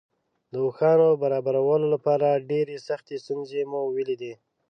د اوښانو د برابرولو لپاره ډېرې سختې ستونزې مو ولیدې.